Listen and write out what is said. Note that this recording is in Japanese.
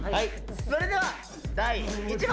それでは第１問。